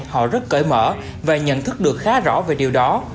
họ rất cởi mở và nhận thức được khá rõ về điều đó